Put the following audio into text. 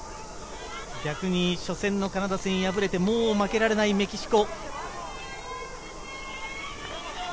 逆に初戦のカナダ戦に敗れても負けられないメキシコ。